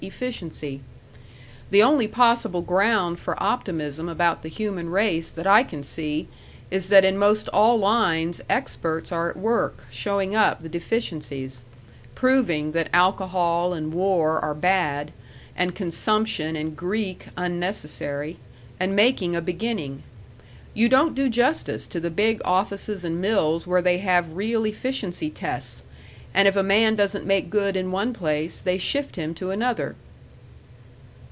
efficiency. The only possible ground for optimism about the human race that I can see is that in most all lines experts are at work showing up the deficiencies proving that alcohol and war are bad, and consumption and Greek unnecessary and making a beginning. You don't do justice to the big offices and mills where they have real efficiency tests, and if a man doesn't make good in one place, they shift him to another."